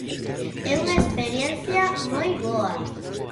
É unha experiencia moi boa.